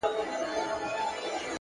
موږه تل د نورو پر پلو پل ږدو حرکت کوو!!